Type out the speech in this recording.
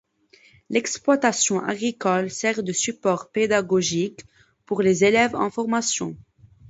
L’exploitation agricole sert de support pédagogique pour les élèves en formation.